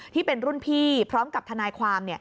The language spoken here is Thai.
ที่เป็นรุ่นพี่พร้อมกับทนายความ